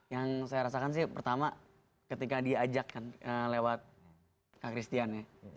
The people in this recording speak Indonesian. yang saya rasakan sih pertama ketika diajak kan lewat kak christian ya